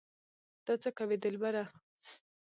دا څه کوې دلبره